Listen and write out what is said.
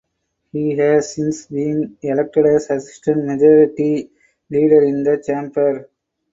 He has since been elected as Assistant Majority Leader in the chamber.